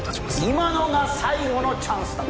今のが最後のチャンスだった！